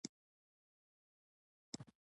دغه اړیکي لکه څرنګه دي هغسې وساتې.